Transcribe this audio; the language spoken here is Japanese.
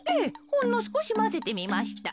ほんのすこしまぜてみました。